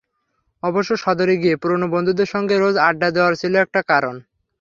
অবশ্য সদরে গিয়ে পুরোনো বন্ধুদের সঙ্গে রোজ আড্ডা দেওয়াও ছিল একটা কারণ।